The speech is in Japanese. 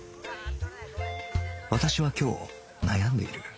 私は今日悩んでいる